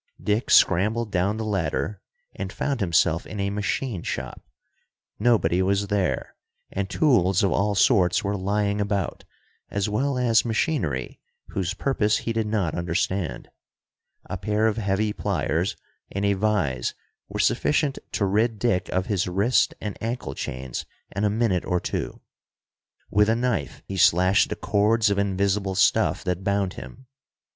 Dick scrambled down the ladder and found himself in a machine shop. Nobody was there, and tools of all sorts were lying about, as well as machinery whose purpose he did not understand. A pair of heavy pliers and a vise were sufficient to rid Dick of his wrist and ankle chains in a minute or two. With a knife he slashed the cords of invisible stuff that bound him.